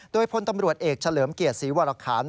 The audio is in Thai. โดยพลตำรวจเอกเฉลิมเกียรติศรีวรคาร